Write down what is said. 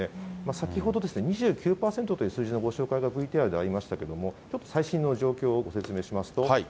先ほど２９％という数字のご紹介がＶＴＲでありましたけど、ちょっと最新の状況をご説明しますと。